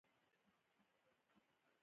غریب له خوارۍ نه عاجز نه کېږي